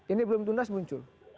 ini belum tuntas muncul